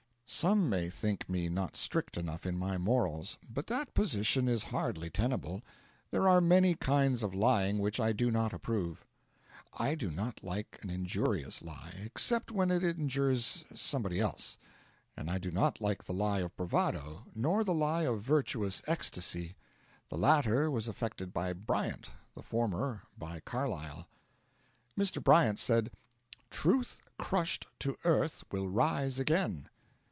Some may think me not strict enough in my morals, but that position is hardly tenable. There are many kinds of lying which I do not approve. I do not like an injurious lie, except when it injures somebody else; and I do not like the lie of bravado, nor the lie of virtuous ecstasy; the latter was affected by Bryant, the former by Carlyle. Mr. Bryant said, 'Truth crushed to earth will rise again.'